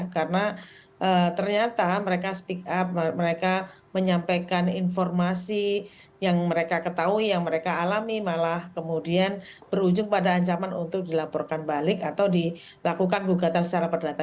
karena ternyata mereka speak up mereka menyampaikan informasi yang mereka ketahui yang mereka alami malah kemudian berujung pada ancaman untuk dilaporkan balik atau dilakukan buka secara perdata